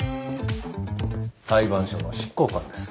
裁判所の執行官です。